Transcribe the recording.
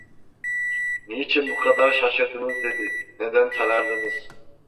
"Niçin bu kadar şaşırdınız?" dedi, "Neden sarardınız?"